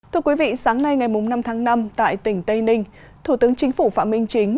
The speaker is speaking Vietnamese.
thưa quý vị sáng nay ngày năm tháng năm tại tỉnh tây ninh thủ tướng chính phủ phạm minh chính